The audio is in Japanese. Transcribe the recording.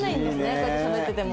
こうやってしゃべってても。